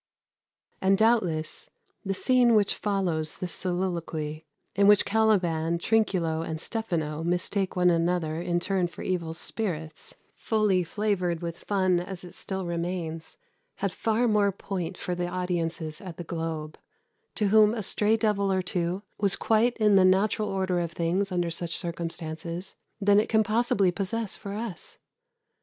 And doubtless the scene which follows this soliloquy, in which Caliban, Trinculo, and Stephano mistake one another in turn for evil spirits, fully flavoured with fun as it still remains, had far more point for the audiences at the Globe to whom a stray devil or two was quite in the natural order of things under such circumstances than it can possibly possess for us.